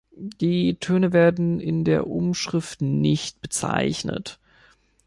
Die Töne werden in der Umschrift nicht bezeichnet.